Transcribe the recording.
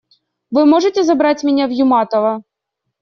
Вы можете забрать меня в Юматово?